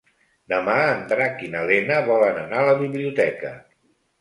Demà en Drac i na Lena volen anar a la biblioteca.